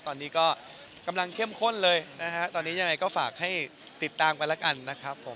ตอนนี้ก็กำลังเข้มข้นเลยนะฮะตอนนี้ยังไงก็ฝากให้ติดตามไปแล้วกันนะครับผม